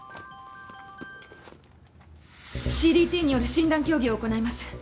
ＣＤＴによる診断協議を行ないます